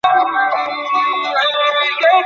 শুভ কামনা রইল।